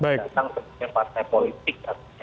jadi partai politik